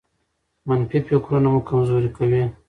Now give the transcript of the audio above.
منفي فکرونه مو کمزوري کوي.